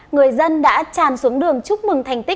người dân đã tràn xuống đường chúc mừng thành tích